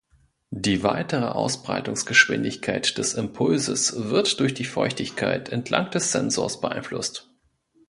Die weitere Ausbreitungsgeschwindigkeit des Impulses wird durch die Feuchtigkeit entlang des Sensors beeinflusst.